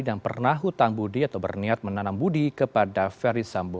dan pernah hutang budi atau berniat menanam budi kepada feri sambo